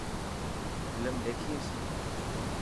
فلم ڏيکيس.